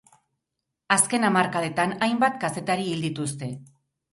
Azken hamarkadetan hainbat kazetari hil dituzte.